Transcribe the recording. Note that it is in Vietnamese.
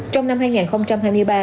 trong năm hai nghìn hai mươi ba